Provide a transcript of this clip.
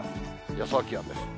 予想気温です。